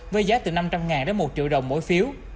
với giá từ năm trăm linh đến một triệu đồng mỗi phiếu